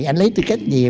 anh lấy tư cách gì